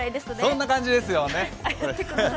こんな感じですよね。